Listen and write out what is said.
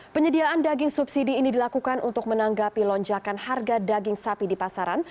penyediaan daging subsidi ini dilakukan untuk menanggapi lonjakan harga daging sapi di pasaran